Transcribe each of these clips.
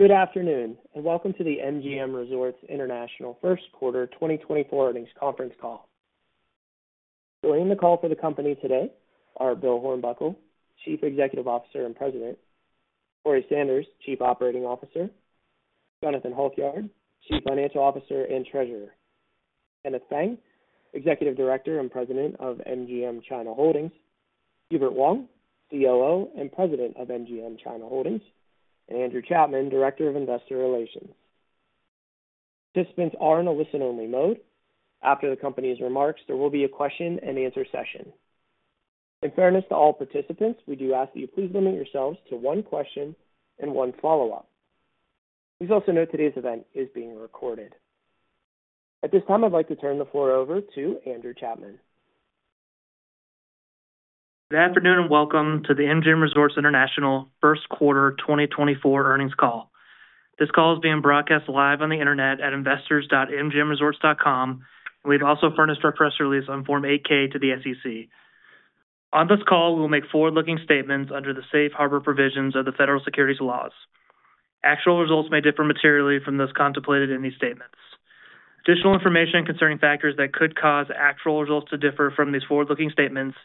Good afternoon, and welcome to the MGM Resorts International First Quarter 2024 Earnings Conference Call. Joining the call for the company today are Bill Hornbuckle, Chief Executive Officer and President, Corey Sanders, Chief Operating Officer, Jonathan Halkyard, Chief Financial Officer and Treasurer, Kenneth Feng, Executive Director and President of MGM China Holdings, Hubert Wang, COO and President of MGM China Holdings, and Andrew Chapman, Director of Investor Relations. Participants are in a listen-only mode. After the company's remarks, there will be a question-and-answer session. In fairness to all participants, we do ask that you please limit yourselves to one question and one follow-up. Please also note today's event is being recorded. At this time, I'd like to turn the floor over to Andrew Chapman. Good afternoon, and welcome to the MGM Resorts International First Quarter 2024 earnings call. This call is being broadcast live on the internet at investors.mgmresorts.com. We've also furnished our press release on Form 8-K to the SEC. On this call, we will make forward-looking statements under the Safe Harbor Provisions of the Federal Securities laws. Actual results may differ materially from those contemplated in these statements. Additional information concerning factors that could cause actual results to differ from these forward-looking statements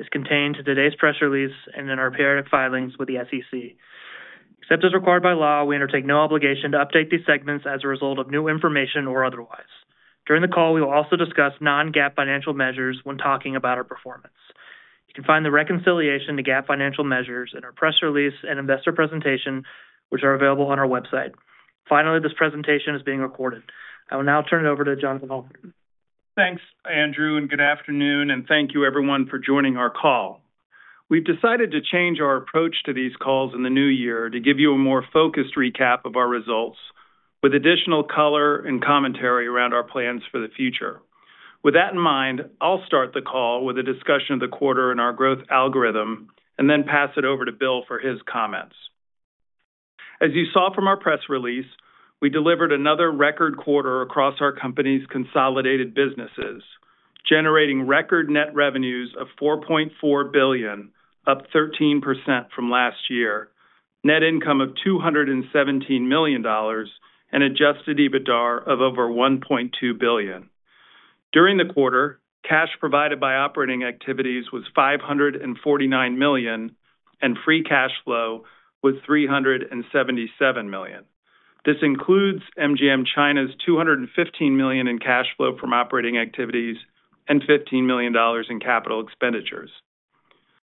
is contained in today's press release and in our periodic filings with the SEC. Except as required by law, we undertake no obligation to update these statements as a result of new information or otherwise. During the call, we will also discuss non-GAAP financial measures when talking about our performance. You can find the reconciliation to GAAP financial measures in our press release and investor presentation, which are available on our website. Finally, this presentation is being recorded. I will now turn it over to Jonathan Halkyard. Thanks, Andrew, and good afternoon, and thank you everyone for joining our call. We've decided to change our approach to these calls in the new year to give you a more focused recap of our results, with additional color and commentary around our plans for the future. With that in mind, I'll start the call with a discussion of the quarter and our growth algorithm, and then pass it over to Bill for his comments. As you saw from our press release, we delivered another record quarter across our company's consolidated businesses, generating record net revenues of $4.4 billion, up 13% from last year, net income of $217 million, and Adjusted EBITDAR of over $1.2 billion. During the quarter, cash provided by operating activities was $549 million, and free cash flow was $377 million. This includes MGM China's $215 million in cash flow from operating activities and $15 million in capital expenditures.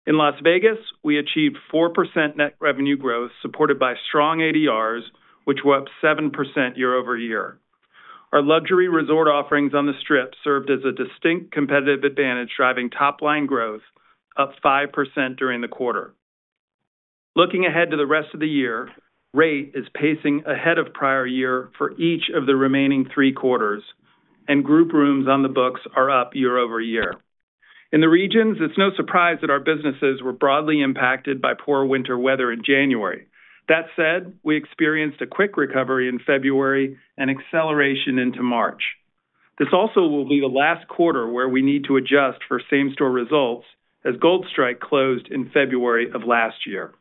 In Las Vegas, we achieved 4% net revenue growth, supported by strong ADRs, which were up 7% year-over-year. Our luxury resort offerings on the Strip served as a distinct competitive advantage, driving top-line growth up 5% during the quarter. Looking ahead to the rest of the year, rate is pacing ahead of prior year for each of the remaining three quarters, and group rooms on the books are up year-over-year. In the regions, it's no surprise that our businesses were broadly impacted by poor winter weather in January. That said, we experienced a quick recovery in February and acceleration into March. This also will be the last quarter where we need to adjust for same-store results, as Gold Strike closed in February of last year.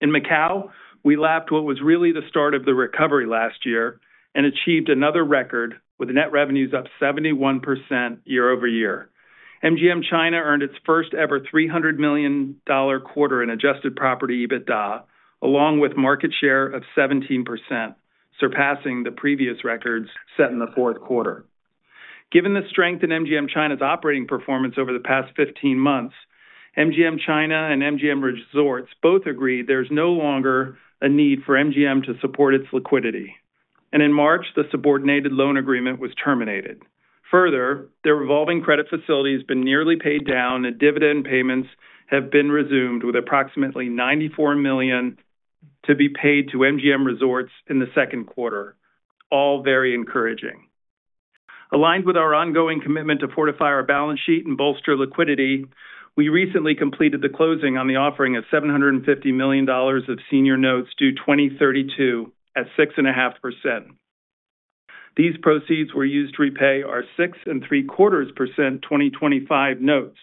In Macau, we lapped what was really the start of the recovery last year and achieved another record, with net revenues up 71% year-over-year. MGM China earned its first-ever $300 million quarter in Adjusted Property EBITDA, along with market share of 17%, surpassing the previous records set in the fourth quarter. Given the strength in MGM China's operating performance over the past 15 months, MGM China and MGM Resorts both agreed there's no longer a need for MGM to support its liquidity, and in March, the subordinated loan agreement was terminated. Further, their revolving credit facility has been nearly paid down and dividend payments have been resumed, with approximately $94 million to be paid to MGM Resorts in the second quarter. All very encouraging. Aligned with our ongoing commitment to fortify our balance sheet and bolster liquidity, we recently completed the closing on the offering of $750 million of senior notes due 2032 at 6.5%. These proceeds were used to repay our 6.75% 2025 notes.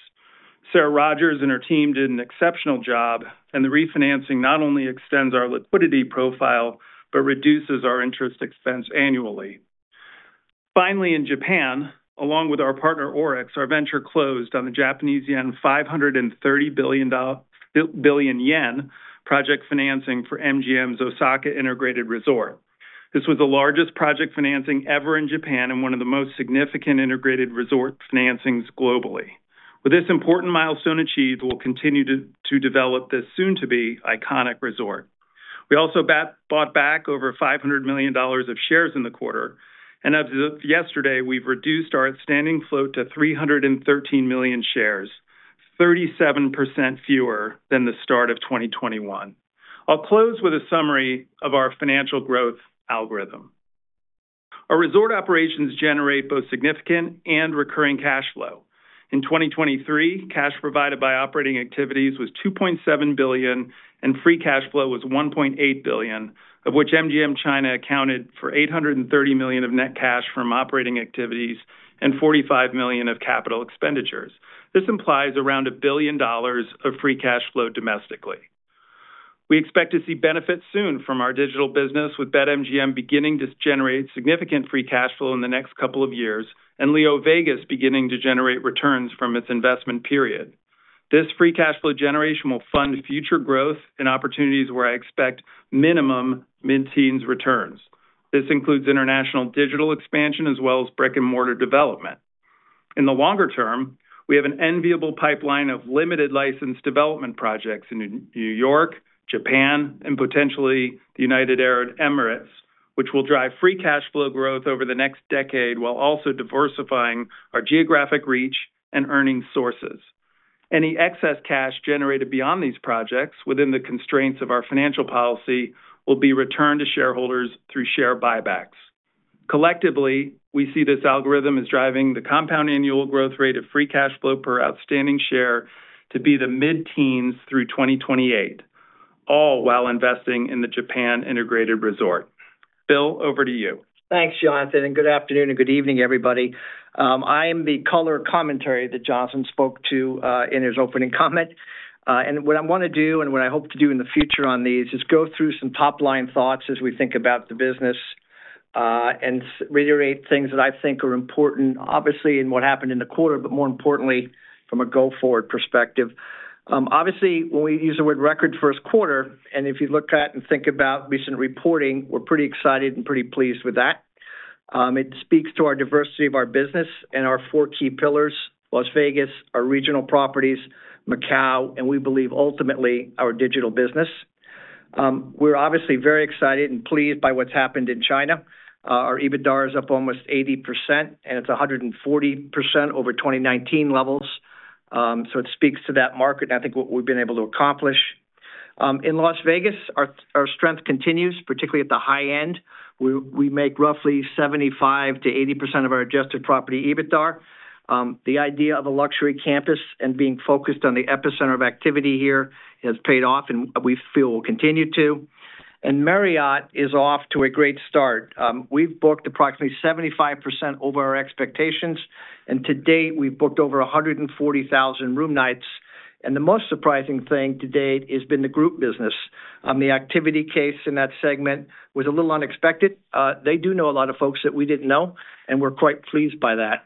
Sarah Rogers and her team did an exceptional job, and the refinancing not only extends our liquidity profile, but reduces our interest expense annually. Finally, in Japan, along with our partner, ORIX, our venture closed on Japanese yen 530 billion project financing for MGM's Osaka Integrated Resort. This was the largest project financing ever in Japan and one of the most significant integrated resort financings globally. With this important milestone achieved, we'll continue to develop this soon-to-be iconic resort. We also bought back over $500 million of shares in the quarter, and as of yesterday, we've reduced our outstanding float to 313 million shares, 37% fewer than the start of 2021. I'll close with a summary of our financial growth algorithm. Our resort operations generate both significant and recurring cash flow. In 2023, cash provided by operating activities was $2.7 billion, and free cash flow was $1.8 billion, of which MGM China accounted for $830 million of net cash from operating activities and $45 million of capital expenditures. This implies around $1 billion of free cash flow domestically.... We expect to see benefits soon from our digital business, with BetMGM beginning to generate significant Free Cash Flow in the next couple of years, and LeoVegas beginning to generate returns from its investment period. This Free Cash Flow generation will fund future growth and opportunities where I expect minimum mid-teens returns. This includes international digital expansion, as well as brick-and-mortar development. In the longer term, we have an enviable pipeline of limited license development projects in New York, Japan, and potentially the United Arab Emirates, which will drive Free Cash Flow growth over the next decade, while also diversifying our geographic reach and earning sources. Any excess cash generated beyond these projects, within the constraints of our financial policy, will be returned to shareholders through share buybacks. Collectively, we see this algorithm as driving the compound annual growth rate of free cash flow per outstanding share to be the mid-teens through 2028, all while investing in the Japan integrated resort. Bill, over to you. Thanks, Jonathan, and good afternoon and good evening, everybody. I am the color commentary that Jonathan spoke to in his opening comment. And what I want to do, and what I hope to do in the future on these, is go through some top-line thoughts as we think about the business and reiterate things that I think are important, obviously, in what happened in the quarter, but more importantly, from a go-forward perspective. Obviously, when we use the word record first quarter, and if you look at and think about recent reporting, we're pretty excited and pretty pleased with that. It speaks to our diversity of our business and our four key pillars: Las Vegas, our regional properties, Macau, and we believe ultimately, our digital business. We're obviously very excited and pleased by what's happened in China. Our EBITDA is up almost 80%, and it's 140% over 2019 levels. So it speaks to that market, and I think what we've been able to accomplish. In Las Vegas, our strength continues, particularly at the high end. We make roughly 75%-80% of our adjusted property EBITDA. The idea of a luxury campus and being focused on the epicenter of activity here has paid off, and we feel will continue to. And Marriott is off to a great start. We've booked approximately 75% over our expectations, and to date, we've booked over 140,000 room nights, and the most surprising thing to date has been the group business. The activity case in that segment was a little unexpected. They do know a lot of folks that we didn't know, and we're quite pleased by that.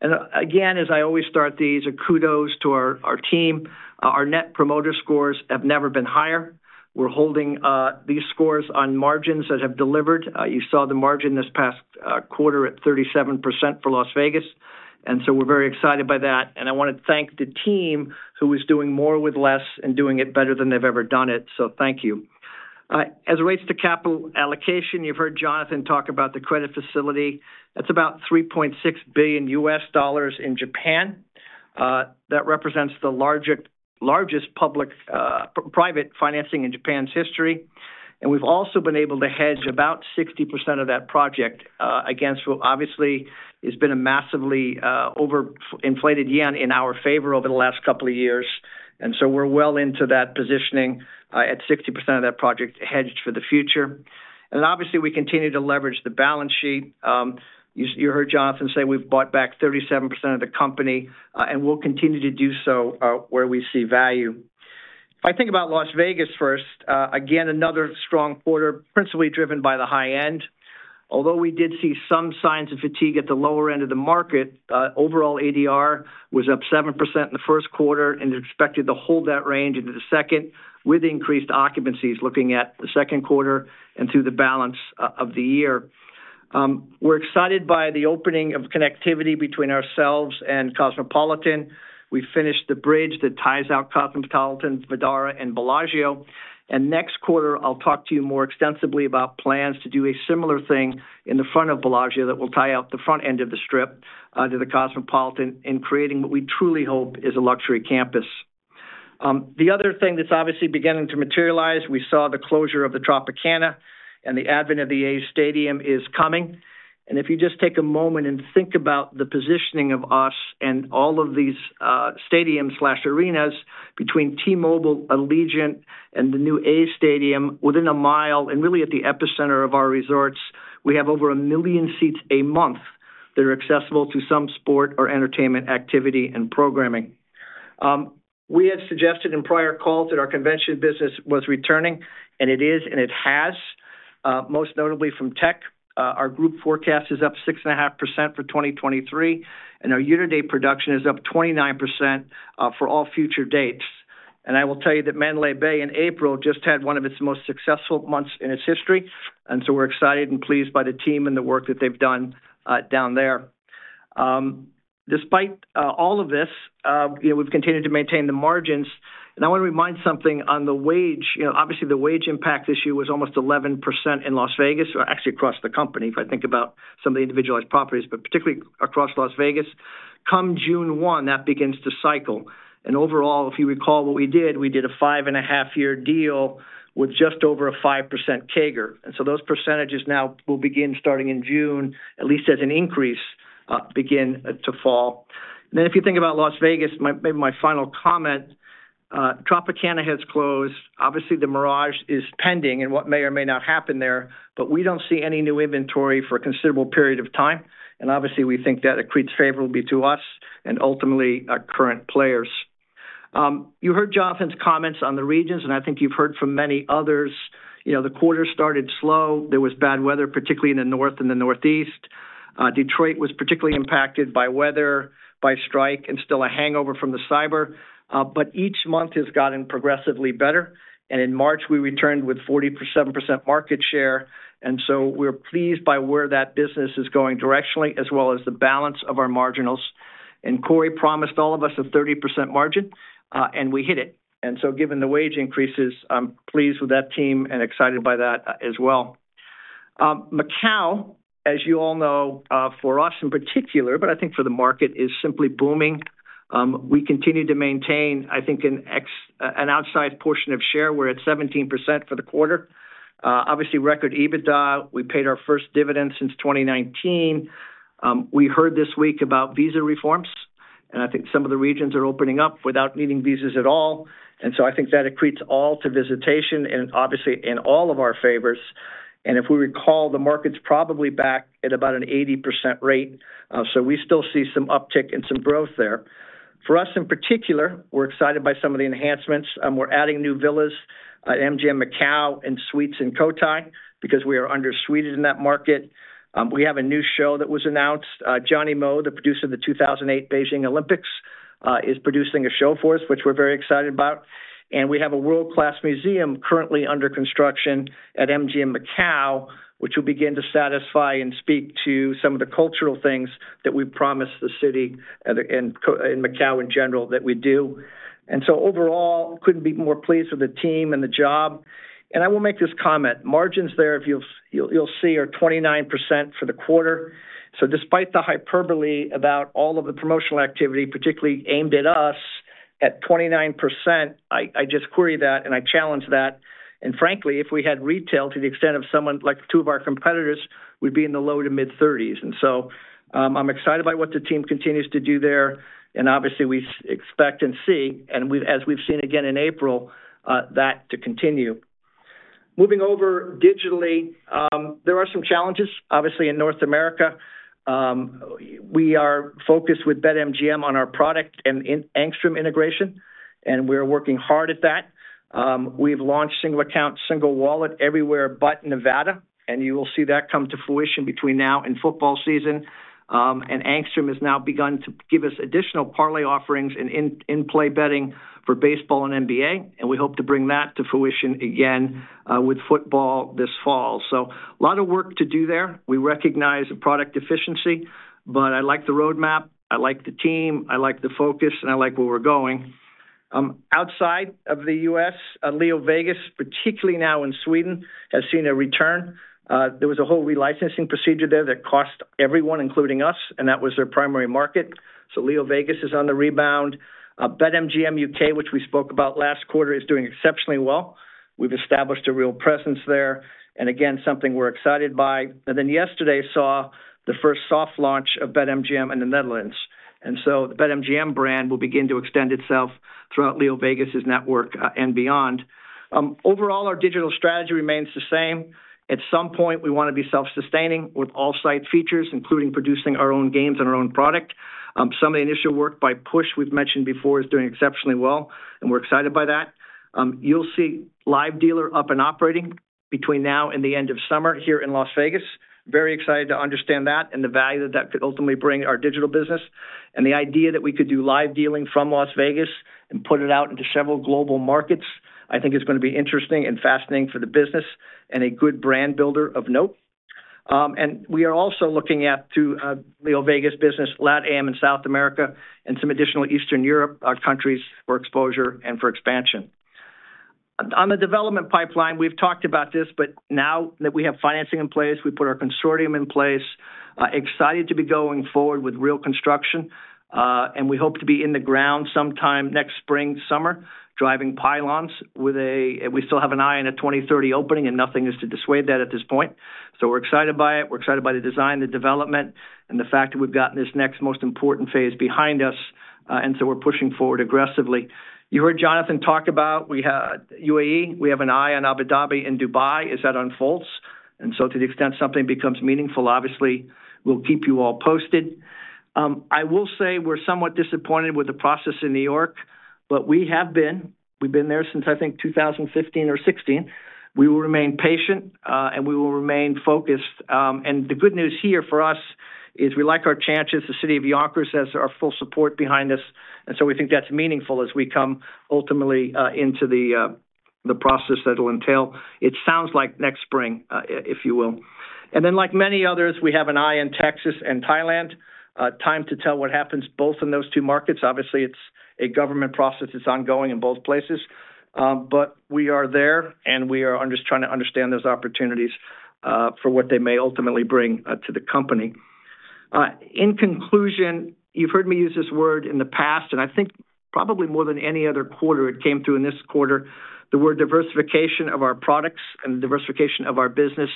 And, again, as I always start these, a kudos to our team. Our net promoter scores have never been higher. We're holding these scores on margins that have delivered. You saw the margin this past quarter at 37% for Las Vegas, and so we're very excited by that. And I want to thank the team who is doing more with less and doing it better than they've ever done it, so thank you. As it relates to capital allocation, you've heard Jonathan talk about the credit facility. That's about $3.6 billion in Japan. That represents the largest public private financing in Japan's history. And we've also been able to hedge about 60% of that project against what obviously has been a massively over inflated yen in our favor over the last couple of years. And so we're well into that positioning at 60% of that project hedged for the future. And obviously, we continue to leverage the balance sheet. You heard Jonathan say we've bought back 37% of the company, and we'll continue to do so where we see value. If I think about Las Vegas first, again, another strong quarter, principally driven by the high end. Although we did see some signs of fatigue at the lower end of the market, overall ADR was up 7% in the first quarter and is expected to hold that range into the second, with increased occupancies looking at the second quarter and through the balance of the year. We're excited by the opening of connectivity between ourselves and Cosmopolitan. We finished the bridge that ties out Cosmopolitan, Vdara, and Bellagio. And next quarter, I'll talk to you more extensively about plans to do a similar thing in the front of Bellagio that will tie out the front end of the Strip to the Cosmopolitan, in creating what we truly hope is a luxury campus. The other thing that's obviously beginning to materialize, we saw the closure of the Tropicana and the advent of the A's Stadium is coming. And if you just take a moment and think about the positioning of us and all of these, stadiums/arenas between T-Mobile, Allegiant, and the new A's Stadium within a mile, and really at the epicenter of our resorts, we have over 1 million seats a month that are accessible to some sport or entertainment activity and programming. We had suggested in prior calls that our convention business was returning, and it is, and it has, most notably from tech. Our group forecast is up 6.5% for 2023, and our year-to-date production is up 29%, for all future dates. And I will tell you that Mandalay Bay in April just had one of its most successful months in its history, and so we're excited and pleased by the team and the work that they've done, down there. Despite all of this, you know, we've continued to maintain the margins. I want to remind something on the wage. You know, obviously, the wage impact issue was almost 11% in Las Vegas, or actually across the company, if I think about some of the individualized properties, but particularly across Las Vegas. Come June 1, that begins to cycle. Overall, if you recall what we did, we did a 5.5-year deal with just over a 5% CAGR. So those percentages now will begin starting in June, at least as an increase, begin to fall. Then if you think about Las Vegas, my, maybe my final comment, Tropicana has closed. Obviously, The Mirage is pending and what may or may not happen there, but we don't see any new inventory for a considerable period of time. Obviously, we think that accretes favorably to us... and ultimately, our current players. You heard Jonathan's comments on the regions, and I think you've heard from many others. You know, the quarter started slow. There was bad weather, particularly in the North and the Northeast. Detroit was particularly impacted by weather, by strike, and still a hangover from the cyber. But each month has gotten progressively better, and in March, we returned with 47% market share, and so we're pleased by where that business is going directionally, as well as the balance of our marginals. Corey promised all of us a 30% margin, and we hit it. So given the wage increases, I'm pleased with that team and excited by that as well. Macau, as you all know, for us in particular, but I think for the market, is simply booming. We continue to maintain, I think, an outsized portion of share. We're at 17% for the quarter. Obviously, record EBITDA. We paid our first dividend since 2019. We heard this week about visa reforms, and I think some of the regions are opening up without needing visas at all. And so I think that accretes all to visitation and obviously in all of our favors. And if we recall, the market's probably back at about an 80% rate. So we still see some uptick and some growth there. For us, in particular, we're excited by some of the enhancements. We're adding new villas at MGM Macau and suites in Cotai, because we are under-suited in that market. We have a new show that was announced. Zhang Yimou, the producer of the 2008 Beijing Olympics, is producing a show for us, which we're very excited about. And we have a world-class museum currently under construction at MGM Macau, which will begin to satisfy and speak to some of the cultural things that we promised the city and Cotai and Macau in general that we do. And so overall, couldn't be more pleased with the team and the job. And I will make this comment. Margins there, if you'll see, are 29% for the quarter. So despite the hyperbole about all of the promotional activity, particularly aimed at us, at 29%, I just query that, and I challenge that. Frankly, if we had retail to the extent of someone like two of our competitors, we'd be in the low-to-mid 30s. So, I'm excited by what the team continues to do there. And obviously, we expect and see, and we've, as we've seen again in April, that to continue. Moving over digitally, there are some challenges, obviously, in North America. We are focused with BetMGM on our product and Angstrom integration, and we're working hard at that. We've launched single account, single wallet everywhere but Nevada, and you will see that come to fruition between now and football season. And Angstrom has now begun to give us additional parlay offerings in in-play betting for baseball and NBA, and we hope to bring that to fruition again with football this fall. So a lot of work to do there. We recognize the product efficiency, but I like the roadmap, I like the team, I like the focus, and I like where we're going. Outside of the U.S., LeoVegas, particularly now in Sweden, has seen a return. There was a whole relicensing procedure there that cost everyone, including us, and that was their primary market. So LeoVegas is on the rebound. BetMGM UK, which we spoke about last quarter, is doing exceptionally well. We've established a real presence there, and again, something we're excited by. And then yesterday, saw the first soft launch of BetMGM in the Netherlands. And so the BetMGM brand will begin to extend itself throughout LeoVegas's network, and beyond. Overall, our digital strategy remains the same. At some point, we want to be self-sustaining with all site features, including producing our own games and our own product. Some of the initial work by Push, we've mentioned before, is doing exceptionally well, and we're excited by that. You'll see live dealer up and operating between now and the end of summer here in Las Vegas. Very excited to understand that and the value that, that could ultimately bring our digital business. And the idea that we could do live dealing from Las Vegas and put it out into several global markets, I think is going to be interesting and fascinating for the business and a good brand builder of note. And we are also looking at, through, LeoVegas' business, LatAm and South America, and some additional Eastern Europe, countries for exposure and for expansion. On the development pipeline, we've talked about this, but now that we have financing in place, we put our consortium in place, excited to be going forward with real construction. And we hope to be in the ground sometime next spring, summer, driving pylons with a... We still have an eye on a 2030 opening, and nothing is to dissuade that at this point. So we're excited by it. We're excited by the design, the development, and the fact that we've gotten this next most important phase behind us, and so we're pushing forward aggressively. You heard Jonathan talk about, we had UAE. We have an eye on Abu Dhabi and Dubai as that unfolds, and so to the extent something becomes meaningful, obviously, we'll keep you all posted. I will say we're somewhat disappointed with the process in New York, but we have been. We've been there since, I think, 2015 or 2016. We will remain patient, and we will remain focused. And the good news here for us is we like our chances. The city of Yonkers has our full support behind us, and so we think that's meaningful as we come ultimately into the process that it'll entail. It sounds like next spring, if you will. And then, like many others, we have an eye in Texas and Thailand. Time to tell what happens both in those two markets. Obviously, it's a government process that's ongoing in both places, but we are there, and we are under trying to understand those opportunities for what they may ultimately bring to the company. In conclusion, you've heard me use this word in the past, and I think probably more than any other quarter it came through in this quarter, the word diversification of our products and diversification of our business.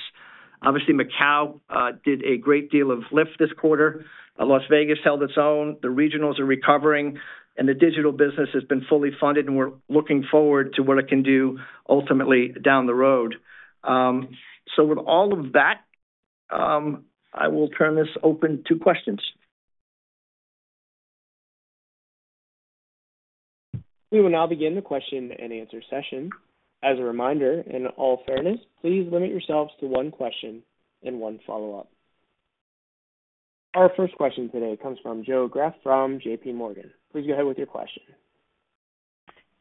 Obviously, Macau did a great deal of lift this quarter. Las Vegas held its own, the regionals are recovering, and the digital business has been fully funded, and we're looking forward to what it can do ultimately down the road. So with all of that-... I will turn this open to questions. We will now begin the question and answer session. As a reminder, in all fairness, please limit yourselves to one question and one follow-up. Our first question today comes from Joe Greff from JPMorgan. Please go ahead with your question.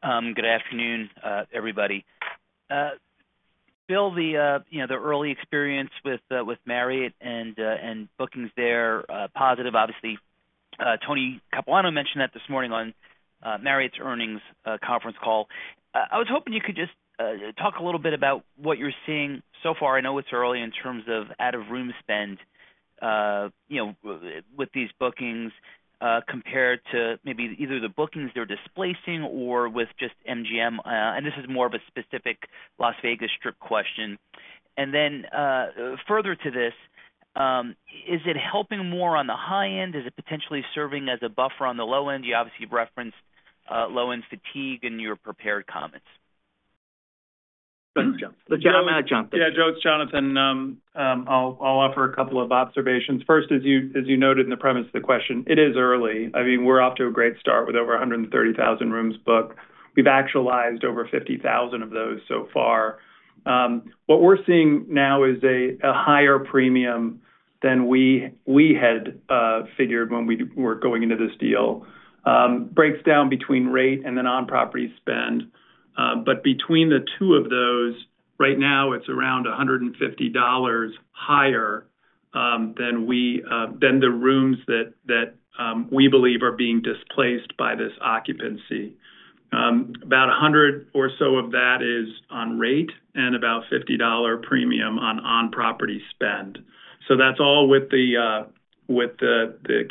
Good afternoon, everybody. Bill, you know, the early experience with Marriott and bookings there positive, obviously. Tony Capuano mentioned that this morning on Marriott's earnings conference call. I was hoping you could just talk a little bit about what you're seeing so far. I know it's early in terms of out-of-room spend, you know, with these bookings, compared to maybe either the bookings they're displacing or with just MGM. And this is more of a specific Las Vegas Strip question. And then, further to this, is it helping more on the high end? Is it potentially serving as a buffer on the low end? You obviously referenced low-end fatigue in your prepared comments. Go ahead, Jonathan. Yeah, Joe, it's Jonathan. I'll offer a couple of observations. First, as you noted in the premise of the question, it is early. I mean, we're off to a great start with over 130,000 rooms booked. We've actualized over 50,000 of those so far. What we're seeing now is a higher premium than we had figured when we were going into this deal. Breaks down between rate and the non-property spend. But between the two of those, right now it's around $150 higher than the rooms that we believe are being displaced by this occupancy. About 100 or so of that is on rate and about $50 premium on on-property spend. So that's all with the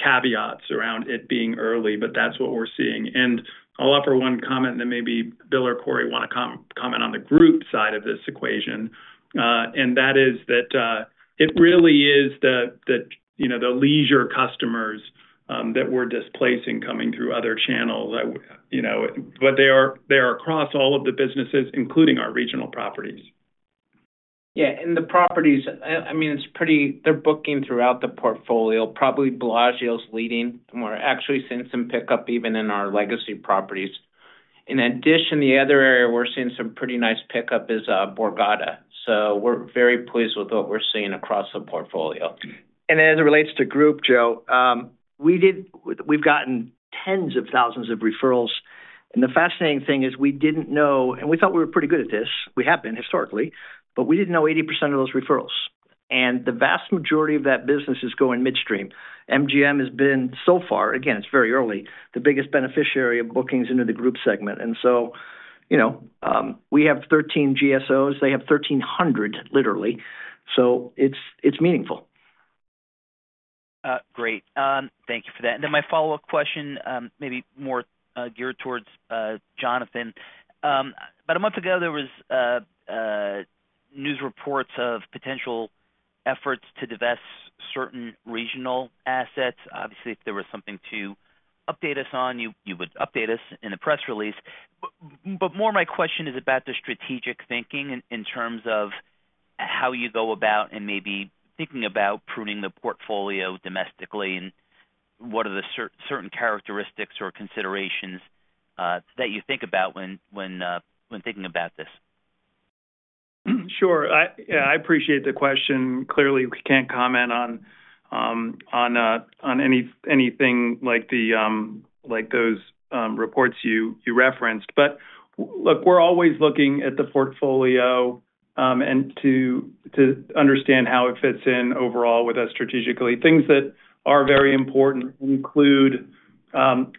caveats around it being early, but that's what we're seeing. And I'll offer one comment, and then maybe Bill or Corey want to comment on the group side of this equation. And that is that it really is, you know, the leisure customers that we're displacing coming through other channels. That, you know, but they are across all of the businesses, including our regional properties. Yeah, and the properties, I mean, they're booking throughout the portfolio, probably Bellagio's leading, and we're actually seeing some pickup even in our legacy properties. In addition, the other area we're seeing some pretty nice pickup is Borgata, so we're very pleased with what we're seeing across the portfolio. As it relates to group, Joe, we've gotten tens of thousands of referrals, and the fascinating thing is we didn't know, and we thought we were pretty good at this. We have been, historically, but we didn't know 80% of those referrals, and the vast majority of that business is going midstream. MGM has been, so far, again, it's very early, the biggest beneficiary of bookings into the group segment. And so, you know, we have 13 GSOs. They have 1,300, literally, so it's meaningful. Great. Thank you for that. And then my follow-up question, maybe more geared towards Jonathan. About a month ago, there was news reports of potential efforts to divest certain regional assets. Obviously, if there was something to update us on, you would update us in a press release. But more my question is about the strategic thinking in terms of how you go about and maybe thinking about pruning the portfolio domestically, and what are the certain characteristics or considerations that you think about when thinking about this? Sure. Yeah, I appreciate the question. Clearly, we can't comment on anything like those reports you referenced. But look, we're always looking at the portfolio, and to understand how it fits in overall with us strategically. Things that are very important include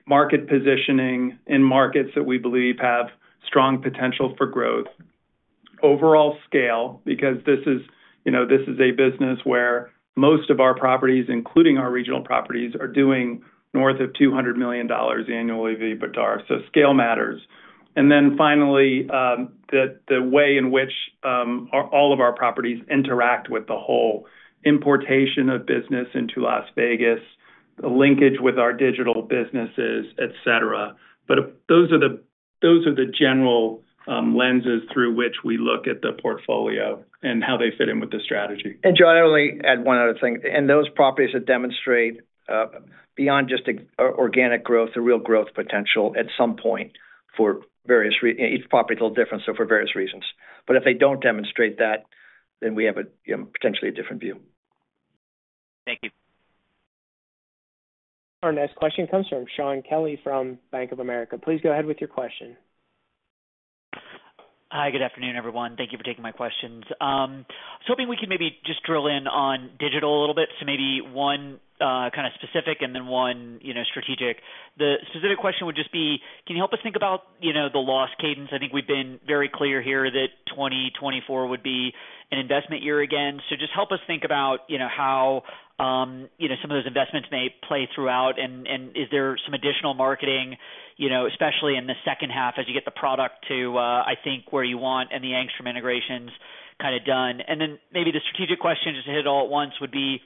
market positioning in markets that we believe have strong potential for growth. Overall scale, because this is, you know, this is a business where most of our properties, including our regional properties, are doing north of $200 million annually, EBITDA, so scale matters. And then finally, the way in which all of our properties interact with the whole importation of business into Las Vegas, the linkage with our digital businesses, et cetera. But those are the general lenses through which we look at the portfolio and how they fit in with the strategy. And Joe, I'd only add one other thing. Those properties that demonstrate, beyond just organic growth, the real growth potential at some point for various reasons. Each property is a little different, so for various reasons. But if they don't demonstrate that, then we have potentially a different view. Thank you. Our next question comes from Shaun Kelley from Bank of America. Please go ahead with your question. Hi, good afternoon, everyone. Thank you for taking my questions. I was hoping we could maybe just drill in on digital a little bit, so maybe one kind of specific and then one, you know, strategic. The specific question would just be: Can you help us think about, you know, the loss cadence? I think we've been very clear here that 2024 would be an investment year again. So just help us think about, you know, how, you know, some of those investments may play throughout, and is there some additional marketing, you know, especially in the second half, as you get the product to, I think, where you want and the Angstrom integrations kind of done? And then maybe the strategic question, just to hit it all at once, would be-...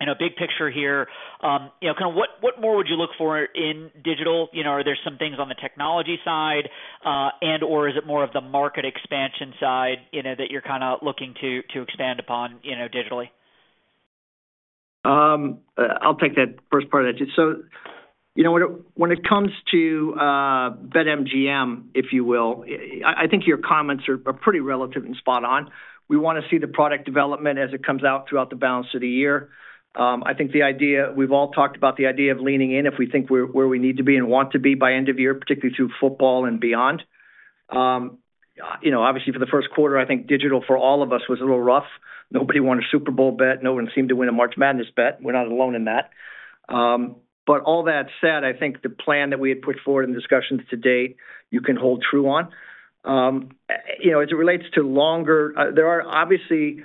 You know, big picture here, you know, kind of what, what more would you look for in digital? You know, are there some things on the technology side, and/or is it more of the market expansion side, you know, that you're kind of looking to, to expand upon, you know, digitally? I'll take that first part of that. So, you know, when it comes to BetMGM, if you will, I think your comments are pretty relevant and spot on. We want to see the product development as it comes out throughout the balance of the year. I think the idea we've all talked about the idea of leaning in if we think we're where we need to be and want to be by end of year, particularly through football and beyond. You know, obviously, for the first quarter, I think digital for all of us was a little rough. Nobody won a Super Bowl bet. No one seemed to win a March Madness bet. We're not alone in that. But all that said, I think the plan that we had put forward in discussions to date, you can hold true on. You know, as it relates to longer term, there are obviously,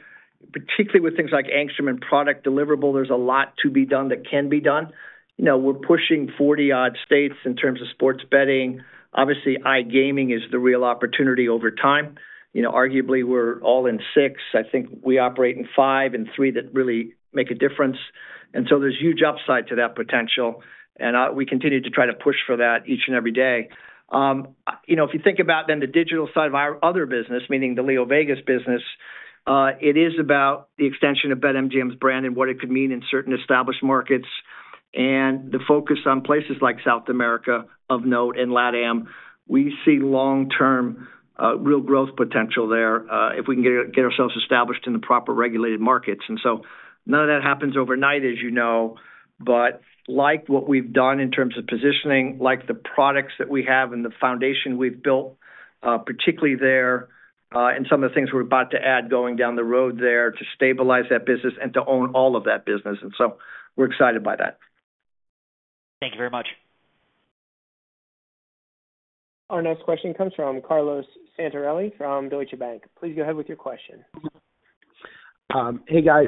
particularly with things like Angstrom and product deliverable, there's a lot to be done that can be done. You know, we're pushing 40-odd states in terms of sports betting. Obviously, iGaming is the real opportunity over time. You know, arguably, we're all in six. I think we operate in five and three that really make a difference, and so there's huge upside to that potential, and we continue to try to push for that each and every day. You know, if you think about then the digital side of our other business, meaning the LeoVegas business, it is about the extension of BetMGM's brand and what it could mean in certain established markets. And the focus on places like South America, of note, and LatAm, we see long-term, real growth potential there, if we can get ourselves established in the proper regulated markets. And so none of that happens overnight, as you know, but like what we've done in terms of positioning, like the products that we have and the foundation we've built, particularly there, and some of the things we're about to add going down the road there to stabilize that business and to own all of that business, and so we're excited by that. Thank you very much. Our next question comes from Carlos Santarelli from Deutsche Bank. Please go ahead with your question. Hey, guys,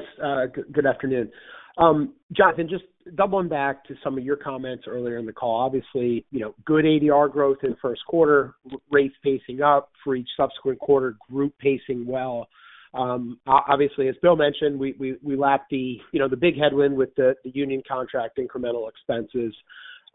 good afternoon. Jonathan, just doubling back to some of your comments earlier in the call. Obviously, you know, good ADR growth in first quarter, rates pacing up for each subsequent quarter, group pacing well. Obviously, as Bill mentioned, we lapped the, you know, the big headwind with the union contract incremental expenses.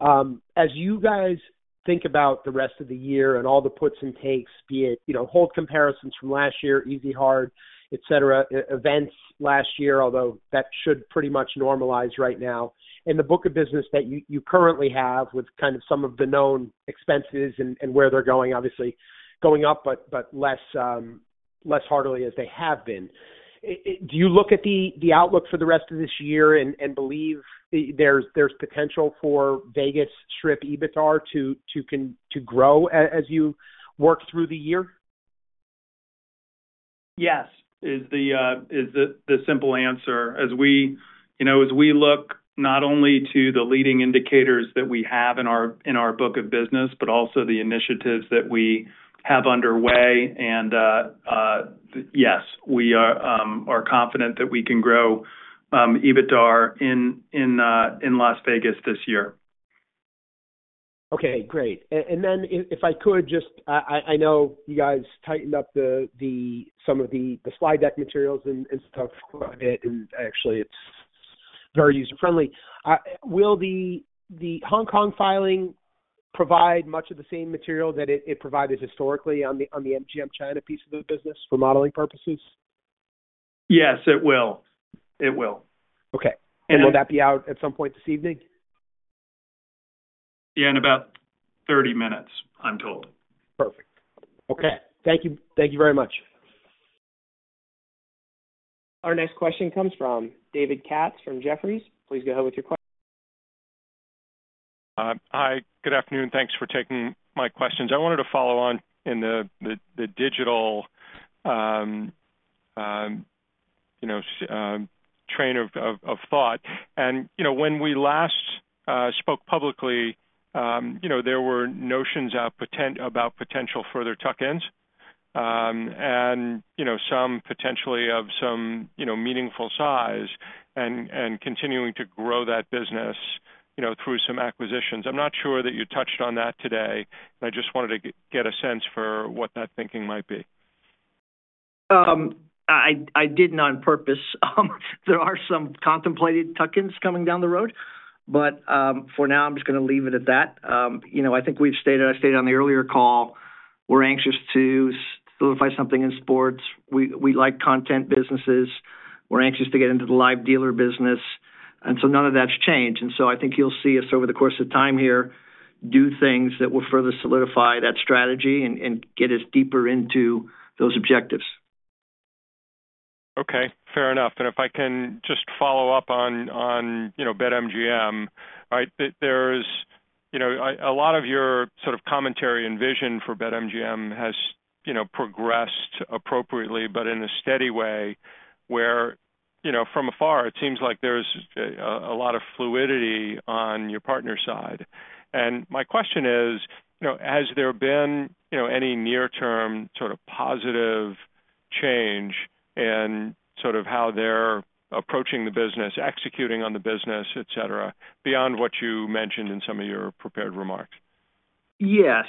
As you guys think about the rest of the year and all the puts and takes, be it, you know, whole comparisons from last year, easy, hard, et cetera, events last year, although that should pretty much normalize right now. In the book of business that you currently have, with kind of some of the known expenses and where they're going, obviously going up, but less heartily as they have been, do you look at the outlook for the rest of this year and believe there's potential for Vegas Strip EBITDAR to grow as you work through the year? Yes, it is the simple answer. As we, you know, as we look not only to the leading indicators that we have in our book of business, but also the initiatives that we have underway, and yes, we are confident that we can grow EBITDAR in Las Vegas this year. Okay, great. And then if I could just... I know you guys tightened up some of the slide deck materials and stuff, and actually it's very user-friendly. Will the Hong Kong filing provide much of the same material that it provided historically on the MGM China piece of the business for modeling purposes? Yes, it will. It will. Okay. And- Will that be out at some point this evening? Yeah, in about 30 minutes, I'm told. Perfect. Okay. Thank you. Thank you very much. Our next question comes from David Katz, from Jefferies. Please go ahead with your question. Hi, good afternoon. Thanks for taking my questions. I wanted to follow on in the digital, you know, train of thought. You know, when we last spoke publicly, you know, there were notions about potential further tuck-ins, and, you know, some potentially of some, you know, meaningful size and continuing to grow that business, you know, through some acquisitions. I'm not sure that you touched on that today, and I just wanted to get a sense for what that thinking might be. I did not on purpose. There are some contemplated tuck-ins coming down the road, but for now, I'm just gonna leave it at that. You know, I think we've stated, I stated on the earlier call, we're anxious to solidify something in sports. We like content businesses. We're anxious to get into the live dealer business, and so none of that's changed. And so I think you'll see us over the course of time here, do things that will further solidify that strategy and get us deeper into those objectives. Okay, fair enough. And if I can just follow up on, you know, BetMGM. All right, there's, you know, a lot of your sort of commentary and vision for BetMGM has, you know, progressed appropriately, but in a steady way, where, you know, from afar, it seems like there's a lot of fluidity on your partner side. And my question is, you know, has there been, you know, any near-term sort of positive change in sort of how they're approaching the business, executing on the business, et cetera, beyond what you mentioned in some of your prepared remarks?... Yes.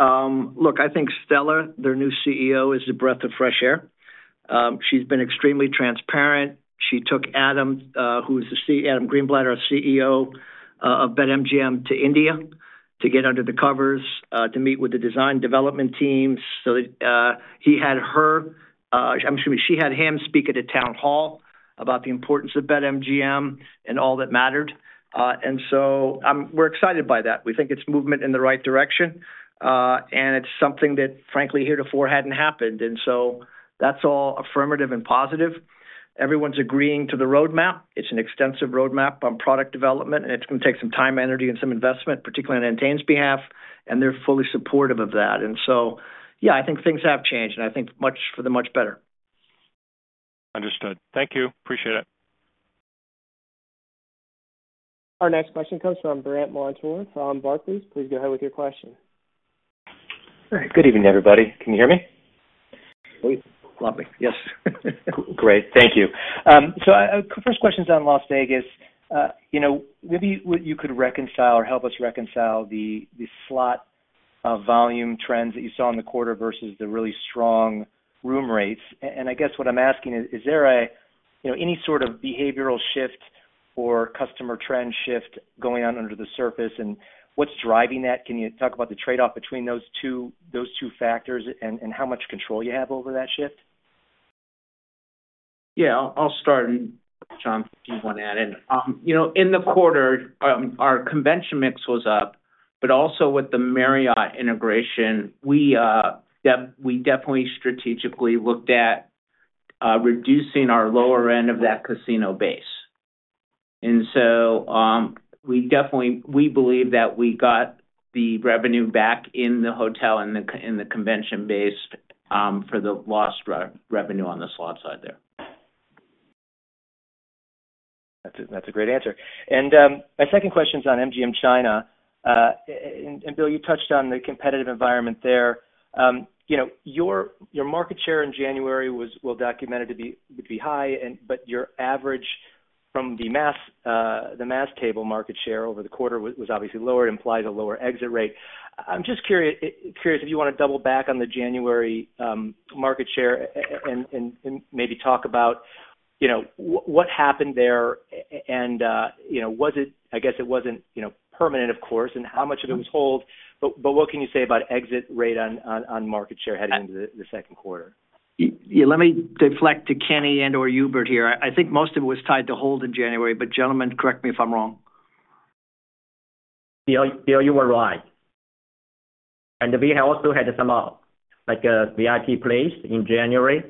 Look, I think Stella, their new CEO, is a breath of fresh air. She's been extremely transparent. She took Adam, who's Adam Greenblatt, our CEO of BetMGM, to India to get under the covers to meet with the design development team. So that, he had her, excuse me, she had him speak at a town hall about the importance of BetMGM and all that mattered. And so, we're excited by that. We think it's movement in the right direction, and it's something that, frankly, heretofore hadn't happened, and so that's all affirmative and positive. Everyone's agreeing to the roadmap. It's an extensive roadmap on product development, and it's gonna take some time, energy, and some investment, particularly on Entain's behalf, and they're fully supportive of that. So, yeah, I think things have changed, and I think much for the much better. Understood. Thank you. Appreciate it. Our next question comes from Brandt Montour from Barclays. Please go ahead with your question. All right. Good evening, everybody. Can you hear me? Lovely. Yes. Great, thank you. So, first question's on Las Vegas. You know, maybe what you could reconcile or help us reconcile the slot volume trends that you saw in the quarter versus the really strong room rates. And I guess what I'm asking is, is there, you know, any sort of behavioral shift or customer trend shift going on under the surface, and what's driving that? Can you talk about the trade-off between those two factors and how much control you have over that shift? Yeah, I'll start, and John, if you want to add in. You know, in the quarter, our convention mix was up, but also with the Marriott integration, we definitely strategically looked at reducing our lower end of that casino base. And so, we definitely believe that we got the revenue back in the hotel, in the convention base, for the lost revenue on the slot side there. That's a great answer. And my second question's on MGM China. And Bill, you touched on the competitive environment there. You know, your market share in January was well documented to be high, and but your average from the mass table market share over the quarter was obviously lower. It implies a lower exit rate. I'm just curious if you wanna double back on the January market share and maybe talk about, you know, what happened there and, you know, was it... I guess it wasn't permanent, of course, and how much of it was hold, but what can you say about exit rate on market share heading into the second quarter? Yeah, let me deflect to Kenny and/or Hubert here. I think most of it was tied to hold in January, but gentlemen, correct me if I'm wrong. Bill, Bill, you are right. And we also had some, like a VIP place in January,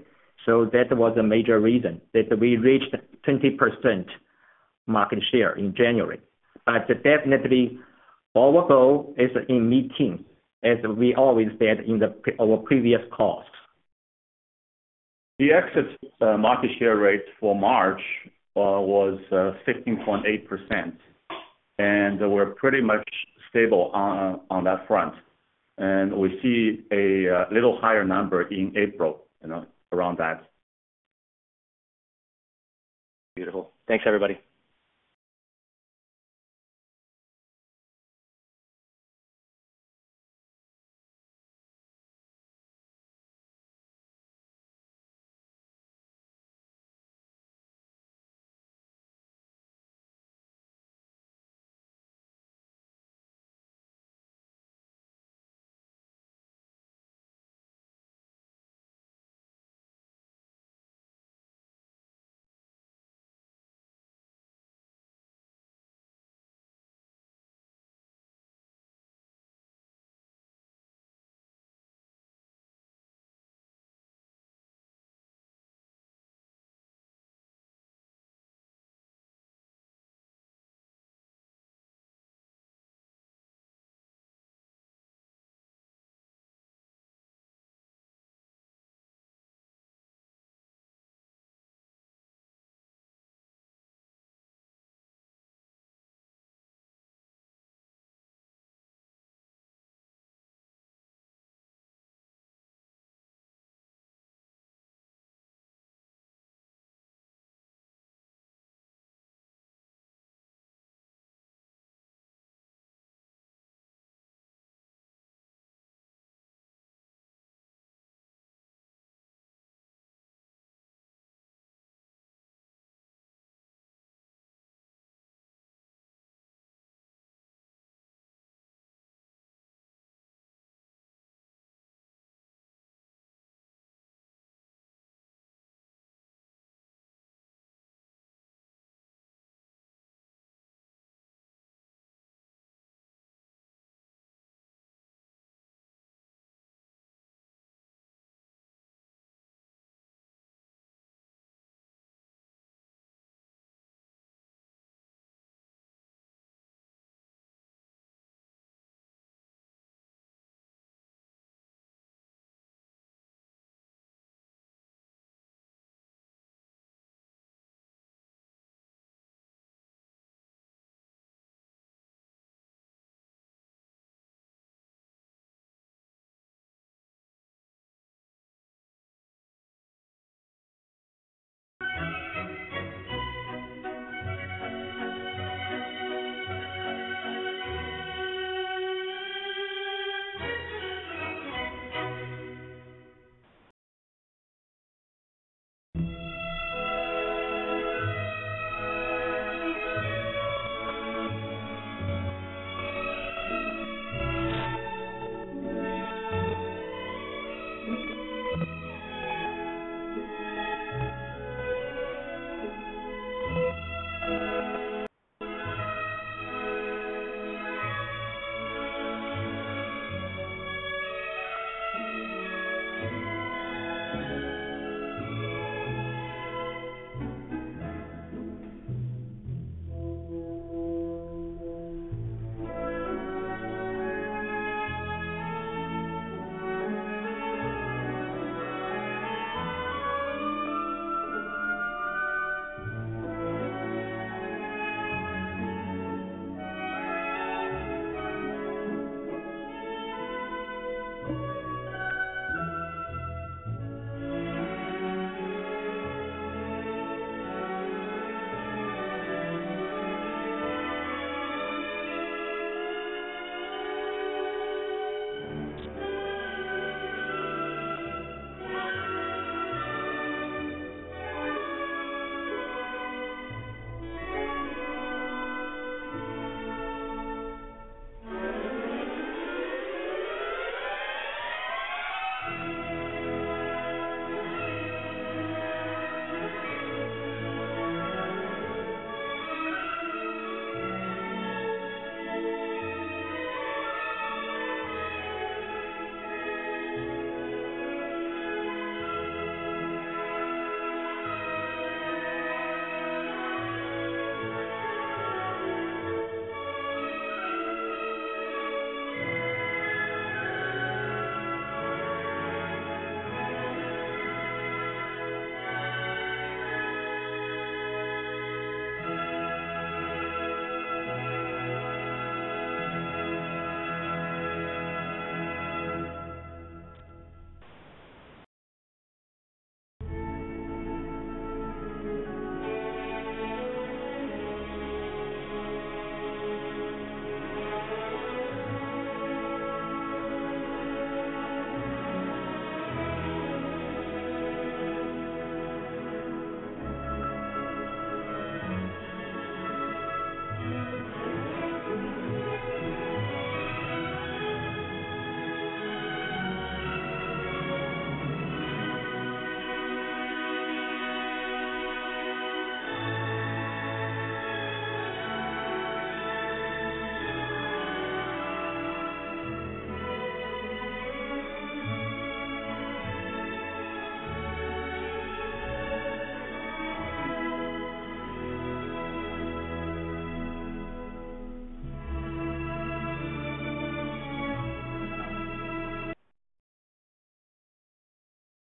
so that was a major reason that we reached 20% market share in January. But definitely, our goal is in mid-teens, as we always said in our previous calls. The exit market share rate for March was 16.8%, and we're pretty much stable on that front. And we see a little higher number in April, you know, around that. Beautiful. Thanks, everybody.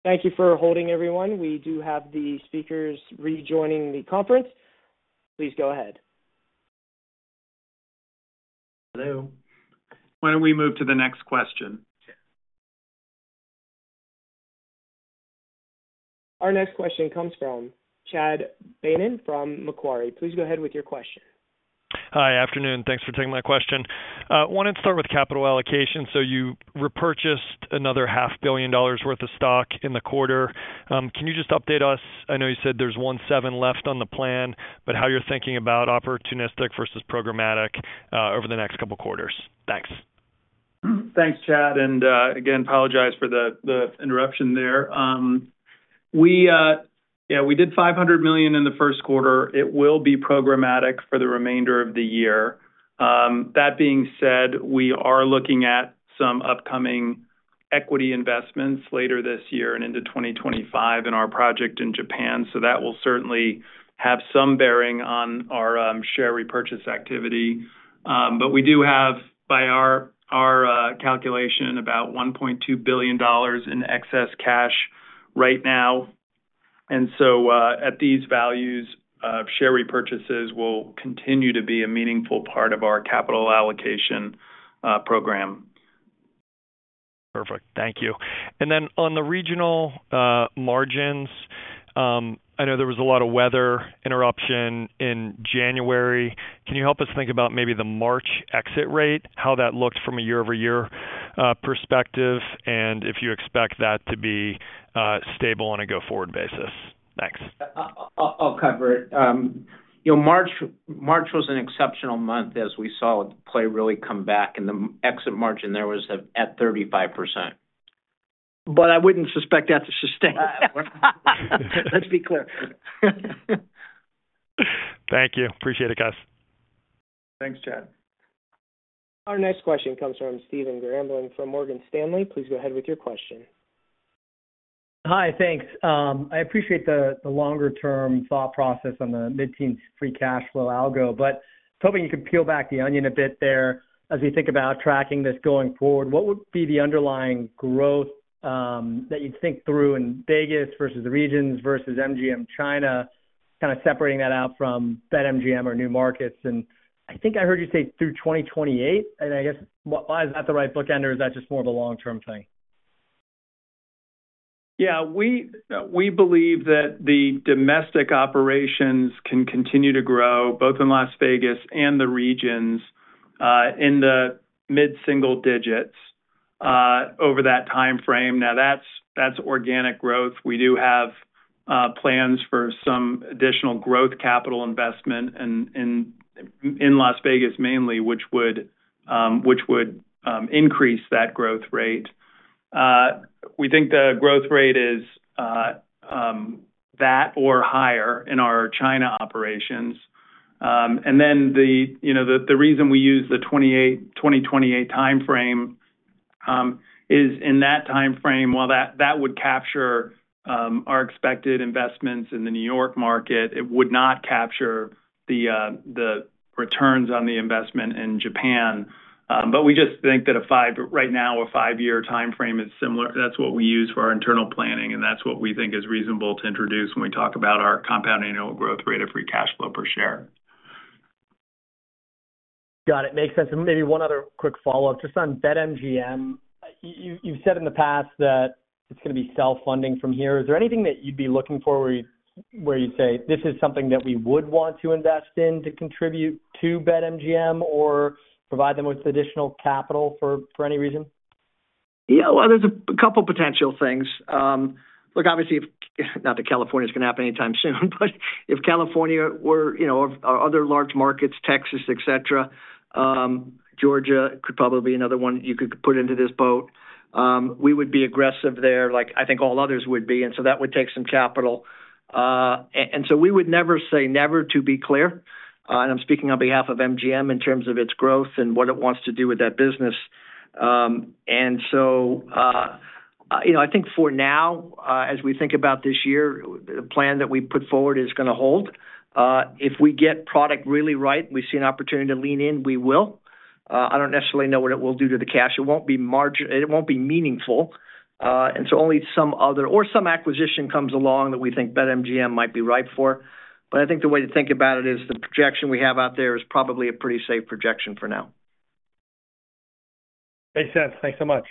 Thank you for holding everyone. We do have the speakers rejoining the conference. Please go ahead. Hello. Why don't we move to the next question? Our next question comes from Chad Beynon from Macquarie. Please go ahead with your question. Hi. Afternoon. Thanks for taking my question. I wanted to start with capital allocation. So you repurchased another $500 million worth of stock in the quarter. Can you just update us? I know you said there's $170 million left on the plan, but how you're thinking about opportunistic versus programmatic over the next couple quarters? Thanks. Thanks, Chad, and again, apologize for the interruption there. Yeah, we did $500 million in the first quarter. It will be programmatic for the remainder of the year. That being said, we are looking at some upcoming equity investments later this year and into 2025 in our project in Japan, so that will certainly have some bearing on our share repurchase activity. But we do have, by our calculation, about $1.2 billion in excess cash right now, and so, at these values, share repurchases will continue to be a meaningful part of our capital allocation program. Perfect. Thank you. And then on the regional margins, I know there was a lot of weather interruption in January. Can you help us think about maybe the March exit rate, how that looked from a year-over-year perspective, and if you expect that to be stable on a go-forward basis? Thanks. I'll cover it. You know, March was an exceptional month as we saw play really come back, and the mix EBIT margin there was at 35%. But I wouldn't suspect that to sustain. Let's be clear. Thank you. Appreciate it, guys. Thanks, Chad. Our next question comes from Stephen Grambling from Morgan Stanley. Please go ahead with your question. Hi. Thanks. I appreciate the longer-term thought process on the mid-teen free cash flow algo, but was hoping you could peel back the onion a bit there. As we think about tracking this going forward, what would be the underlying growth that you'd think through in Vegas versus the regions versus MGM China, kind of separating that out from BetMGM or new markets? And I think I heard you say through 2028, and I guess why is that the right bookend, or is that just more of a long-term thing? Yeah, we believe that the domestic operations can continue to grow, both in Las Vegas and the regions, in the mid-single digits, over that time frame. Now, that's organic growth. We do have plans for some additional growth capital investment in Las Vegas mainly, which would increase that growth rate. We think the growth rate is that or higher in our China operations. And then, you know, the reason we use the 2028 time frame is in that time frame, while that would capture our expected investments in the New York market, it would not capture the returns on the investment in Japan. But we just think that a five-year time frame is similar. That's what we use for our internal planning, and that's what we think is reasonable to introduce when we talk about our compound annual growth rate of free cash flow per share. Got it. Makes sense. And maybe one other quick follow-up, just on BetMGM. You've said in the past that it's going to be self-funding from here. Is there anything that you'd be looking for where you'd say, "This is something that we would want to invest in to contribute to BetMGM or provide them with additional capital for any reason? Yeah, well, there's a couple potential things. Look, obviously, if not that California is going to happen anytime soon, but if California were, you know, or other large markets, Texas, et cetera, Georgia could probably be another one you could put into this boat. We would be aggressive there, like I think all others would be, and so that would take some capital. And so we would never say never, to be clear, and I'm speaking on behalf of MGM in terms of its growth and what it wants to do with that business. And so, you know, I think for now, as we think about this year, the plan that we put forward is going to hold. If we get product really right, we see an opportunity to lean in, we will. I don't necessarily know what it will do to the cash. It won't be meaningful, and so only some other or some acquisition comes along that we think BetMGM might be right for. But I think the way to think about it is the projection we have out there is probably a pretty safe projection for now. Makes sense. Thanks so much.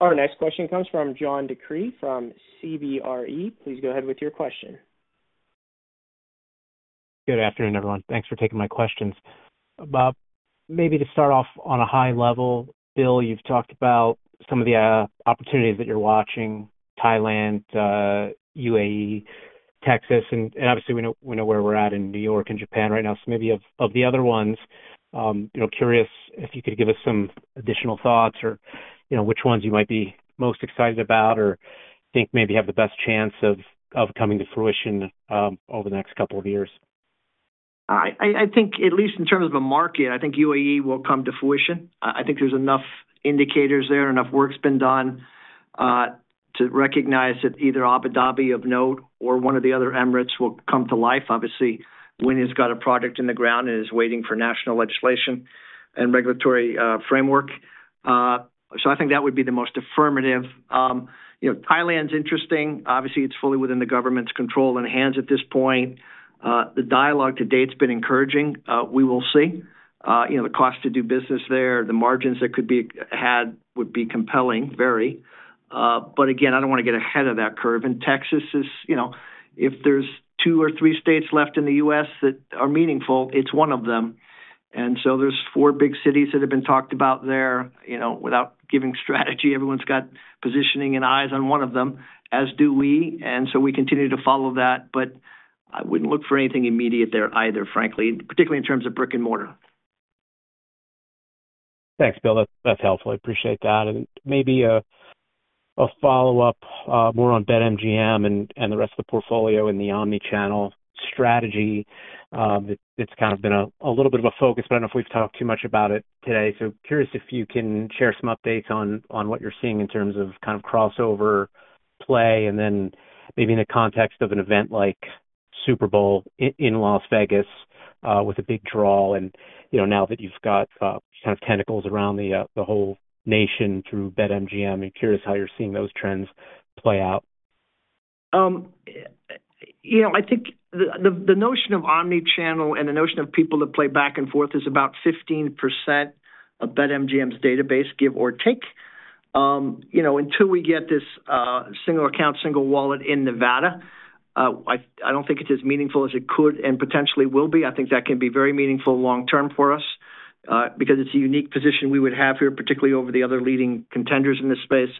Our next question comes from John DeCree from CBRE. Please go ahead with your question. Good afternoon, everyone. Thanks for taking my questions. Bob, maybe to start off on a high level, Bill, you've talked about some of the opportunities that you're watching: Thailand, UAE, Texas, and obviously we know where we're at in New York and Japan right now. So maybe of the other ones, you know, curious if you could give us some additional thoughts or, you know, which ones you might be most excited about or think maybe have the best chance of coming to fruition over the next couple of years. I think at least in terms of a market, I think UAE will come to fruition. I think there's enough indicators there, enough work's been done, to recognize that either Abu Dhabi or Dubai or one of the other Emirates will come to life. Obviously, Wynn has got a product in the ground and is waiting for national legislation and regulatory framework. So I think that would be the most affirmative. You know, Thailand's interesting. Obviously, it's fully within the government's control and hands at this point. The dialogue to date has been encouraging. We will see. You know, the cost to do business there, the margins that could be had would be compelling, very. But again, I don't want to get ahead of that curve. Texas is, you know, if there's 2 or 3 states left in the U.S. that are meaningful, it's one of them. And so there's 4 big cities that have been talked about there. You know, without giving strategy, everyone's got positioning and eyes on one of them, as do we. And so we continue to follow that, but I wouldn't look for anything immediate there either, frankly, particularly in terms of brick and mortar. Thanks, Bill. That's, that's helpful. I appreciate that. And maybe a follow-up, more on BetMGM and the rest of the portfolio in the omni-channel strategy. It's kind of been a little bit of a focus, but I don't know if we've talked too much about it today. So curious if you can share some updates on what you're seeing in terms of kind of crossover play, and then maybe in the context of an event like Super Bowl in Las Vegas, with a big draw. And, you know, now that you've got kind of tentacles around the whole nation through BetMGM, I'm curious how you're seeing those trends play out. You know, I think the notion of omni-channel and the notion of people that play back and forth is about 15% of BetMGM's database, give or take. You know, until we get this single account, single wallet in Nevada, I don't think it's as meaningful as it could and potentially will be. I think that can be very meaningful long term for us, because it's a unique position we would have here, particularly over the other leading contenders in this space.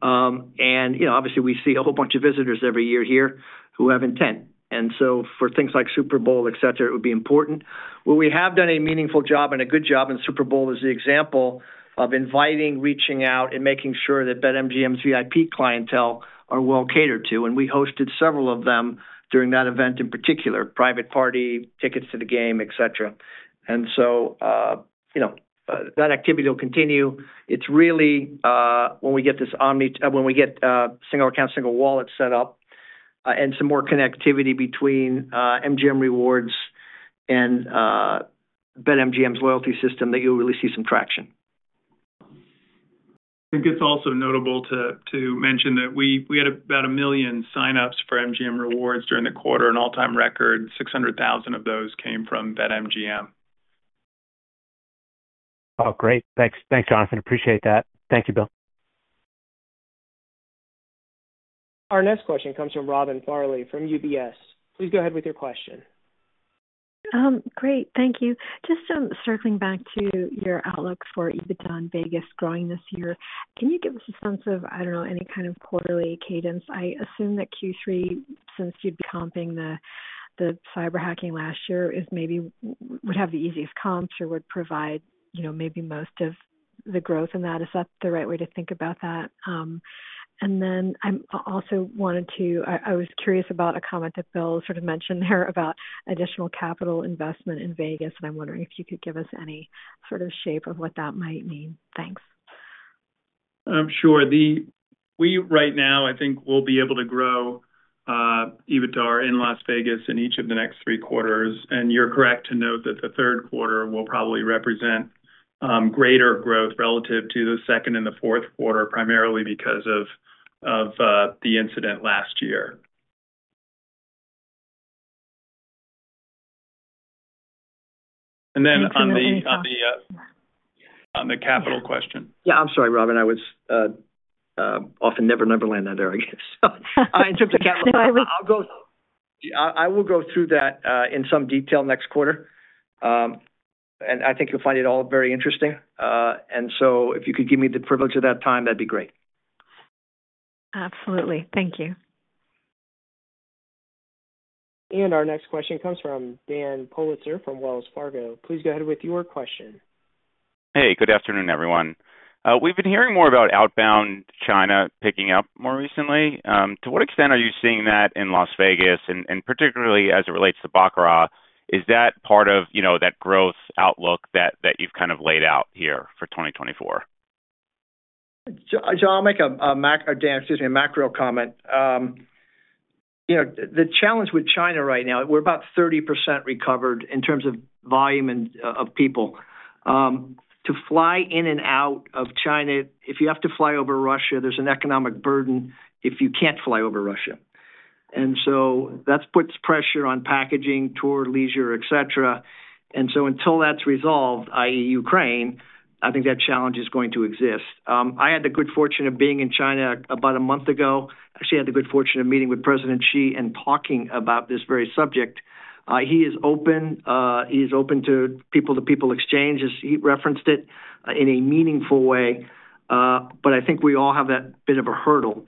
And, you know, obviously, we see a whole bunch of visitors every year here who have intent. And so for things like Super Bowl, et cetera, it would be important. Well, we have done a meaningful job and a good job, and Super Bowl is the example of inviting, reaching out, and making sure that BetMGM VIP clientele are well catered to, and we hosted several of them during that event, in particular, private party, tickets to the game, et cetera. And so, you know, that activity will continue. It's really, when we get single account, single wallet set up, and some more connectivity between MGM Rewards and BetMGM's loyalty system, that you'll really see some traction. I think it's also notable to mention that we had about 1 million signups for MGM Rewards during the quarter, an all-time record, 600,000 of those came from BetMGM.... Oh, great. Thanks. Thanks, Jonathan. Appreciate that. Thank you, Bill. Our next question comes from Robin Farley from UBS. Please go ahead with your question. Great, thank you. Just, circling back to your outlook for EBITDA in Vegas growing this year, can you give us a sense of, I don't know, any kind of quarterly cadence? I assume that Q3, since you'd be comping the cyber hacking last year, is maybe would have the easiest comps or would provide, you know, maybe most of the growth in that. Is that the right way to think about that? And then I'm also wanted to... I was curious about a comment that Bill sort of mentioned there about additional capital investment in Vegas, and I'm wondering if you could give us any sort of shape of what that might mean. Thanks. Sure. We, right now, I think will be able to grow EBITDA in Las Vegas in each of the next three quarters. And you're correct to note that the third quarter will probably represent greater growth relative to the second and the fourth quarter, primarily because of the incident last year. And then on the capital question. Yeah, I'm sorry, Robin, I was off in Neverland out there, I guess. So in terms of capital, I'll go... I will go through that in some detail next quarter. And I think you'll find it all very interesting. And so if you could give me the privilege at that time, that'd be great. Absolutely. Thank you. Our next question comes from Dan Politzer from Wells Fargo. Please go ahead with your question. Hey, good afternoon, everyone. We've been hearing more about outbound China picking up more recently. To what extent are you seeing that in Las Vegas, and particularly as it relates to baccarat, is that part of, you know, that growth outlook that you've kind of laid out here for 2024? Jo, I'll make a macro comment. Dan, excuse me, you know, the challenge with China right now, we're about 30% recovered in terms of volume and of people. To fly in and out of China, if you have to fly over Russia, there's an economic burden if you can't fly over Russia. And so that puts pressure on packaging, tour, leisure, et cetera. And so until that's resolved, i.e., Ukraine, I think that challenge is going to exist. I had the good fortune of being in China about a month ago. I actually had the good fortune of meeting with President Xi and talking about this very subject. He is open. He's open to people-to-people exchange, as he referenced it, in a meaningful way. But I think we all have that bit of a hurdle.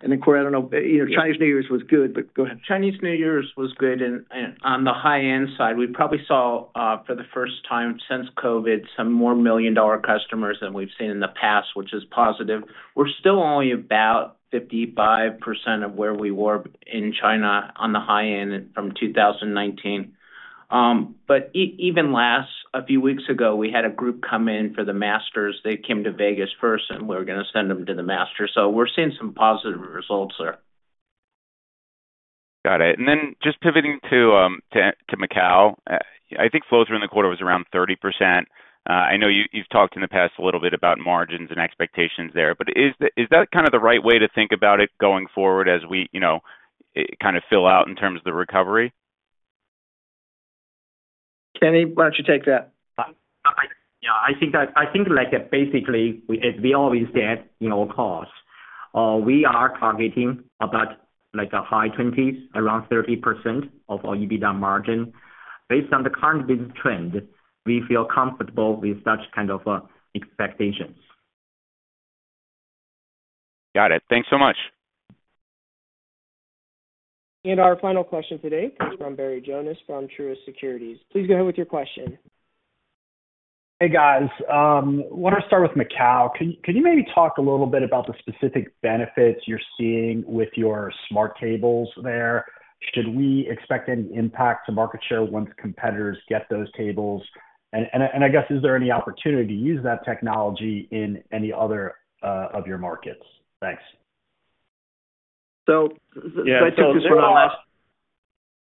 And then, Corey, I don't know, you know, Chinese New Year's was good, but go ahead. Chinese New Year's was good, and on the high-end side, we probably saw, for the first time since COVID, some more million-dollar customers than we've seen in the past, which is positive. We're still only about 55% of where we were in China on the high end from 2019. But even just a few weeks ago, we had a group come in for the Masters. They came to Vegas first, and we're going to send them to the Masters. So we're seeing some positive results there. Got it. And then just pivoting to Macau, I think flow through in the quarter was around 30%. I know you've talked in the past a little bit about margins and expectations there, but is that kind of the right way to think about it going forward as we, you know, kind of fill out in terms of the recovery? Kenny, why don't you take that? Yeah, I think, like, basically, as we always said, in our calls, we are targeting about, like, a high 20s, around 30% of our EBITDA margin. Based on the current business trend, we feel comfortable with such kind of expectations. Got it. Thanks so much. Our final question today comes from Barry Jonas from Truist Securities. Please go ahead with your question. Hey, guys, I want to start with Macau. Can you maybe talk a little bit about the specific benefits you're seeing with your smart tables there? Should we expect any impact to market share once competitors get those tables? And I guess, is there any opportunity to use that technology in any other of your markets? Thanks. So, yeah.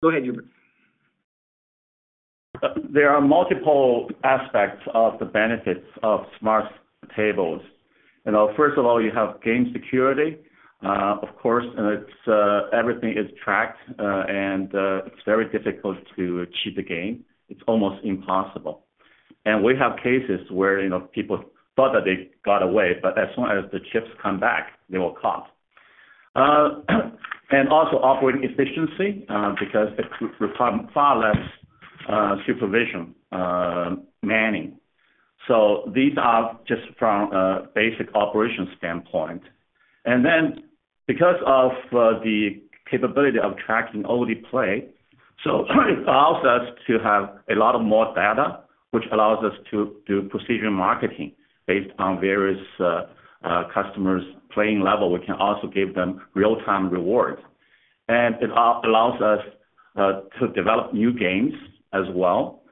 Go ahead, Hubert. There are multiple aspects of the benefits of smart tables. You know, first of all, you have game security. Of course, it's everything is tracked, and it's very difficult to cheat the game. It's almost impossible. And we have cases where, you know, people thought that they got away, but as soon as the chips come back, they were caught. And also operating efficiency, because it require far less supervision, manning. So these are just from a basic operation standpoint. And then because of the capability of tracking all the play, so it allows us to have a lot of more data, which allows us to do precision marketing based on various customers' playing level. We can also give them real-time rewards. And it allows us to develop new games as well.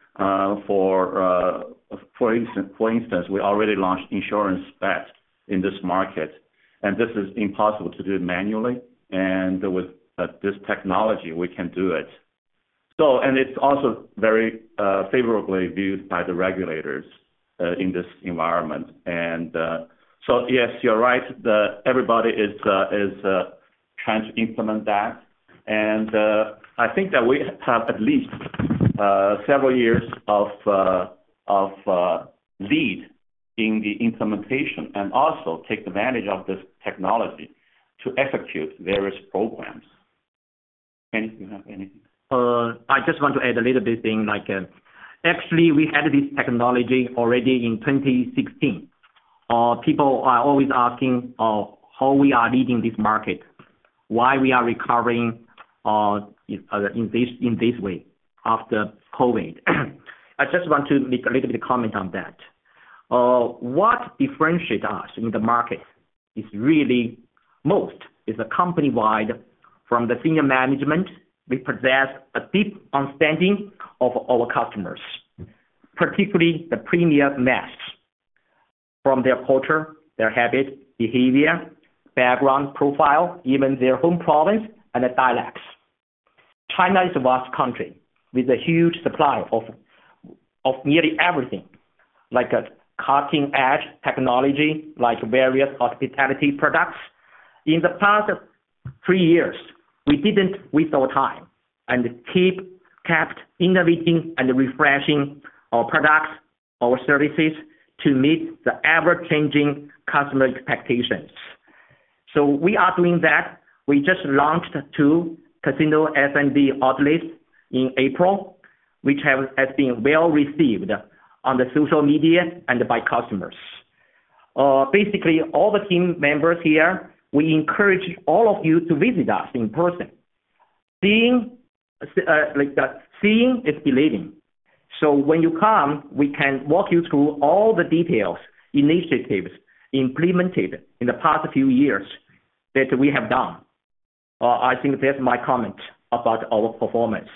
For instance, we already launched insurance bet in this market, and this is impossible to do manually, and with this technology, we can do it. So, and it's also very favorably viewed by the regulators in this environment. And so yes, you're right. Everybody is trying to implement that. And I think that we have at least several years of lead in the implementation, and also take advantage of this technology to execute various programs. Anything, you have anything? I just want to add a little bit thing, like, actually, we had this technology already in 2016. People are always asking how we are leading this market, why we are recovering in this way after COVID? I just want to make a little bit of comment on that. What differentiates us in the market is really most is a company-wide from the senior management. We possess a deep understanding of our customers, particularly the premium mass, from their culture, their habit, behavior, background profile, even their home province, and the dialects. China is a vast country with a huge supply of nearly everything, like a cutting-edge technology, like various hospitality products. In the past three years, we didn't waste our time and kept innovating and refreshing our products, our services to meet the ever-changing customer expectations. We are doing that. We just launched two casino F&B outlets in April, which have been well received on the social media and by customers. Basically, all the team members here, we encourage all of you to visit us in person. Seeing, like, seeing is believing. So when you come, we can walk you through all the details, initiatives implemented in the past few years that we have done. I think that's my comment about our performance,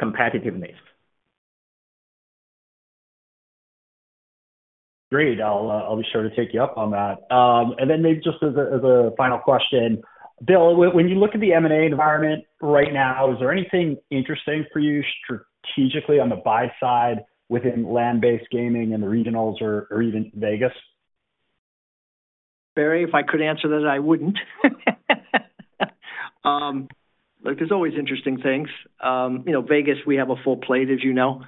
competitiveness. Great, I'll be sure to take you up on that. And then maybe just as a final question. Bill, when you look at the M&A environment right now, is there anything interesting for you strategically on the buy side, within land-based gaming and the regionals or even Vegas? Barry, if I could answer that, I wouldn't. Look, there's always interesting things. You know, Vegas, we have a full plate, as you know.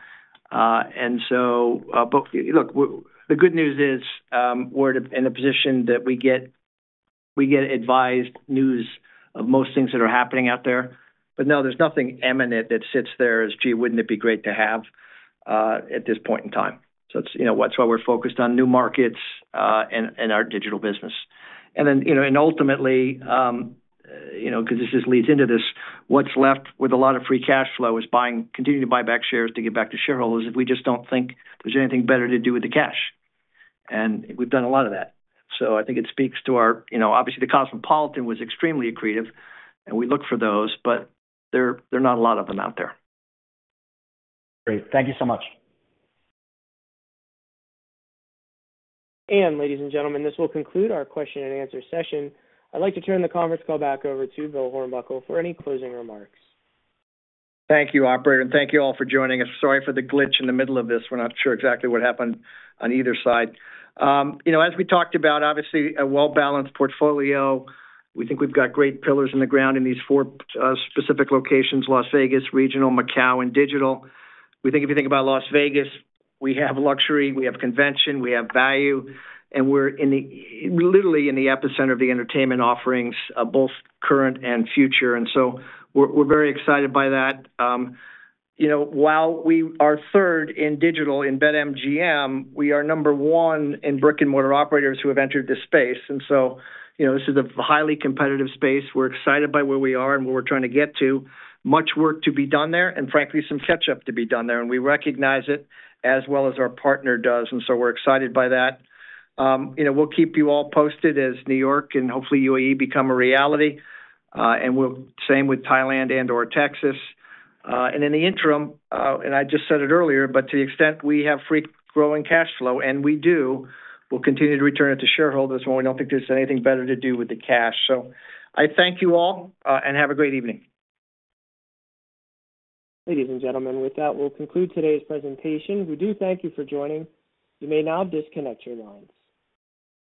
And so, but look, the good news is, we're at a, in a position that we get, we get advance news of most things that are happening out there. But no, there's nothing imminent that sits there as, "Gee, wouldn't it be great to have?" At this point in time. So it's, you know, that's why we're focused on new markets, and, and our digital business. And then, you know, and ultimately, you know, because this just leads into this, what's left with a lot of free cash flow is buying, continuing to buy back shares to get back to shareholders, if we just don't think there's anything better to do with the cash. We've done a lot of that. I think it speaks to our... You know, obviously, the Cosmopolitan was extremely accretive, and we look for those, but there, there are not a lot of them out there. Great. Thank you so much. Ladies and gentlemen, this will conclude our question and answer session. I'd like to turn the conference call back over to Bill Hornbuckle for any closing remarks. Thank you, operator, and thank you all for joining us. Sorry for the glitch in the middle of this. We're not sure exactly what happened on either side. You know, as we talked about, obviously, a well-balanced portfolio. We think we've got great pillars in the ground in these four specific locations, Las Vegas, Regional, Macau, and Digital. We think if you think about Las Vegas, we have luxury, we have convention, we have value, and we're literally in the epicenter of the entertainment offerings, both current and future, and so we're very excited by that. You know, while we are third in digital in BetMGM, we are number one in brick-and-mortar operators who have entered this space, and so, you know, this is a highly competitive space. We're excited by where we are and where we're trying to get to. Much work to be done there, and frankly, some catch up to be done there, and we recognize it as well as our partner does, and so we're excited by that. You know, we'll keep you all posted as New York and hopefully UAE become a reality, and we'll same with Thailand and/or Texas. And in the interim, and I just said it earlier, but to the extent we have free cash flow, and we do, we'll continue to return it to shareholders when we don't think there's anything better to do with the cash. So I thank you all, and have a great evening. Ladies and gentlemen, with that, we'll conclude today's presentation. We do thank you for joining. You may now disconnect your lines.